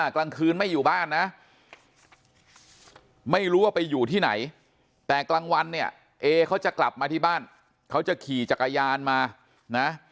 กลางคืนไม่อยู่บ้านนะไม่รู้ว่าไปอยู่ที่ไหนแต่กลางวันเนี่ยเอเขาจะกลับมาที่บ้านเขาจะขี่จักรยานมานะ